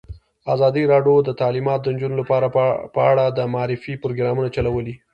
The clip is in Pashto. ازادي راډیو د تعلیمات د نجونو لپاره په اړه د معارفې پروګرامونه چلولي.